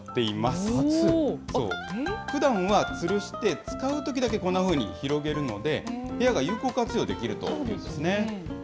ふだんはつるして使うときだけこんなふうに広げるので、部屋が有効活用できるというんですね。